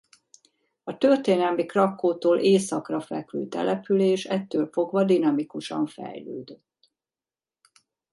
A történelmi Krakkótól északra fekvő település ettől fogva dinamikusan fejlődött.